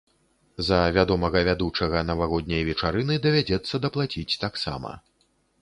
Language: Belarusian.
За вядомага вядучага навагодняй вечарыны давядзецца даплаціць таксама.